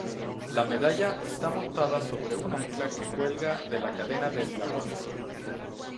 La medalla está montada sobre un ancla que cuelga de la cadena del galón.